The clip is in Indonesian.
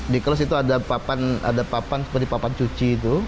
di kelas itu ada papan seperti papan cuci itu